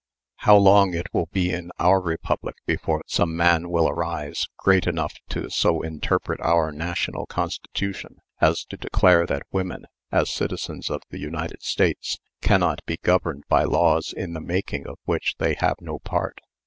How long will it be in our Republic before some man will arise, great enough to so interpret our National Constitution as to declare that women, as citizens of the United States, cannot be governed by laws in the making of which they have no part?